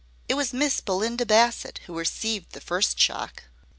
It was Miss Belinda Bassett who received the first shock.